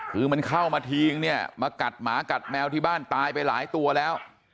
คือมันเข้ามาทิ้งเนี่ยมากัดหมากัดแมวที่บ้านตายไปหลายตัวแล้ว